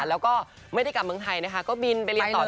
แล้วก็ไม่ได้กลับเมืองไทยนะคะก็บินไปเรียนต่อ